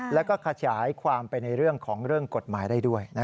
แล้วก็ขยายความไปในเรื่องของเรื่องกฎหมายได้ด้วย